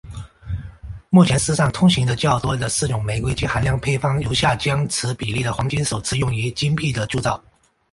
目前世上通行的较多的四种玫瑰金含量配方如下将此比例的黄金首次用于金币的铸造。